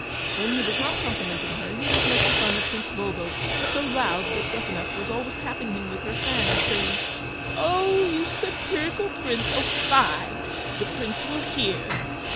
When he was not complimenting her, he was making fun of Prince Bulbo, so loud that Gruffanuff was always tapping him with her fan and saying, "Oh, you satirical Prince! Oh, fie the Prince will hear!"